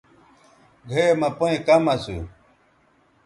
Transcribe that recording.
گھئے مہ پئیں کم اسُو۔